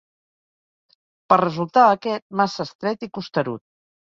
Per resultar aquest massa estret i costerut.